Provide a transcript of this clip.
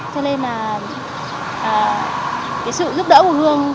cho nên là sự giúp đỡ của thu phương